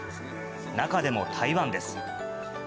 中でも台湾です。